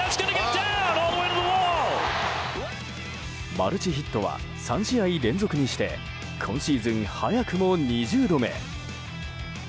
マルチヒットは３試合連続にして今シーズン早くも２０度目。